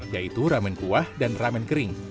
yaitu ramen kuah dan ramen kering